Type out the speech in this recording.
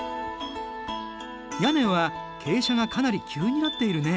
屋根は傾斜がかなり急になっているね。